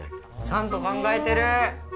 ちゃんと考えてる！